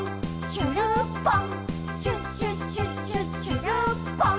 しゅるっぽん！」